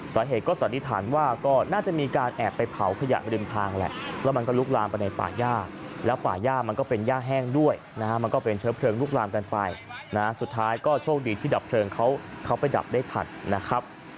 สาเหตุก็สันนิษฐานว่าก็น่าจะมีการแอบไปเผาขยะริมทางแหละแล้วมันก็ลุกลามไปในป่าย่าแล้วป่าย่ามันก็เป็นย่าแห้งด้วยนะฮะมันก็เป็นเชื้อเพลิงลุกลามกันไปนะสุดท้ายก็โชคดีที่ดับเพลิงเขาไปดับได้ทันนะครับ